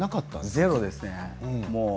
ゼロですね。